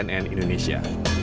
tim liputan indonesia